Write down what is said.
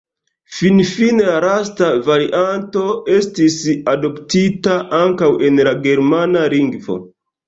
Finfine la lasta varianto estis adoptita ankaŭ en la germana lingvo.